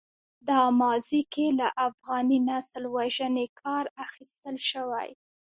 دا ماضي کې له افغاني نسل وژنې کار اخیستل شوی.